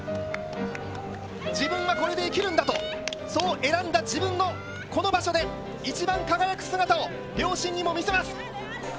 自分はこれで生きるんだと、そう選んだ、自分のこの場所で、一番輝く姿を両親にも見せます！